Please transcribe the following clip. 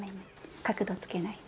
角度つけない。